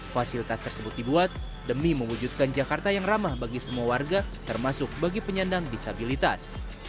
fasilitas tersebut dibuat demi mewujudkan jakarta yang ramah bagi semua warga termasuk bagi penyandang disabilitas